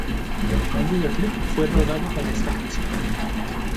Un videoclip fue rodado para esta canción.